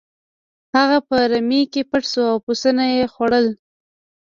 هغه په رمې کې پټ شو او پسونه یې خوړل.